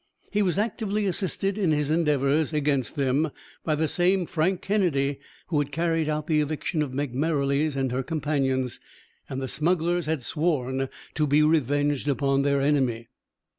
He was actively assisted in his endeavours against them by the same Frank Kennedy who had carried out the eviction of Meg Merrilies and her companions, and the smugglers had sworn to be revenged upon their enemy.